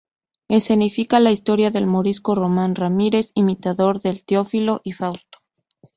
Escenifica la historia del morisco Román Ramírez, imitador de Teófilo y Fausto.